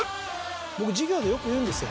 僕授業でよく言うんですよ